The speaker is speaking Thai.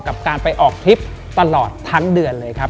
กับการไปออกทริปตลอดทั้งเดือนเลยครับ